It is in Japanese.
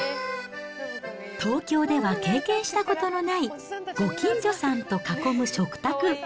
東京では経験したことのないご近所さんと囲む食卓。